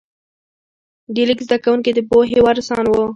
د لیک زده کوونکي د پوهې وارثان وو.